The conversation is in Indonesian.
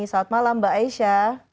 selamat malam mbak aisha